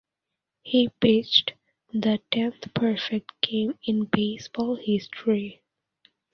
He pitched the tenth perfect game in baseball history.